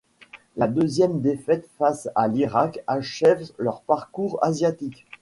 La deuxième défaite face à l'Irak achève leur parcours asiatique.